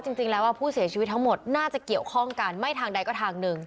จริงแล้วผู้เสียชีวิตทั้งหมดน่าจะเกี่ยวข้องกันไม่ทางใดก็ทางหนึ่ง